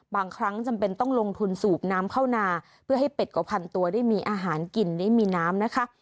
บางครั้งจำเป็นต้องลงทุนสูบน้ำเข้านาเพื่อให้เป็ดกว่าพันตัวได้มีอาหารกินได้มีน้ำนะคะ